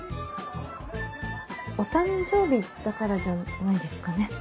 お誕生日だからじゃないですかね。